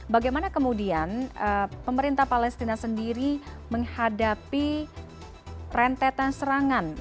bagaimana kemudian pemerintah palestina sendiri menghadapi rentetan serangan